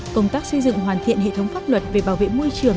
công tác xây dựng hoàn thiện hệ thống pháp luật về bảo vệ môi trường